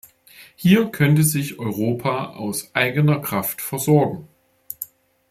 Hier könnte sich Europa aus eigener Kraft versorgen.